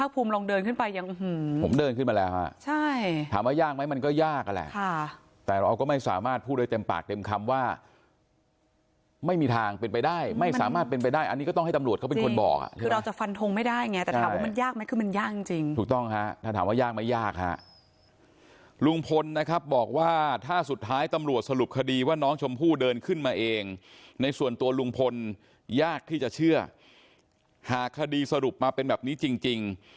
แต่เราก็ไม่สามารถพูดได้เต็มปากเต็มคำว่าไม่มีทางเป็นไปได้ไม่สามารถเป็นไปได้อันนี้ก็ต้องให้ตำรวจเขาเป็นคนบอกคือเราจะฟันทงไม่ได้ไงแต่ถามว่ามันยากไหมคือมันยากจริงถูกต้องค่ะถ้าถามว่ายากไม่ยากค่ะลุงพลนะครับบอกว่าถ้าสุดท้ายตำรวจสรุปคดีว่าน้องจมพู่เดินขึ้นมาเองในส่วนตัวลุงพลยากที่